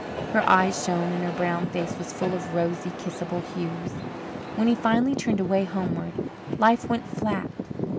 Her eyes shone and her brown face was full of rosy, kissable hues. When he finally turned away homeward, life went flat.